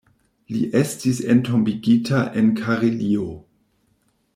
Li estis entombigita en Karelio.